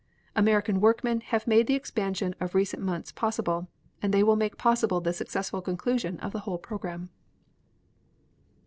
American workmen have made the expansion of recent months possible, and they will make possible the successful conclusion of the whole program.